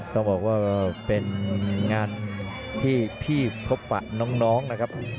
ต้องบอกว่าเป็นงานที่พี่พบปะน้องนะครับ